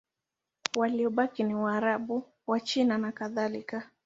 Waliobaki ni Waarabu, Wachina nakadhalika.